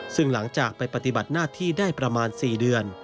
ซึ่งหลังจากไปปฏิบัติหน้าที่ได้ประมาณ๔เดือน